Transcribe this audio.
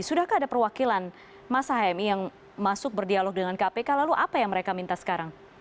sudahkah ada perwakilan masa hmi yang masuk berdialog dengan kpk lalu apa yang mereka minta sekarang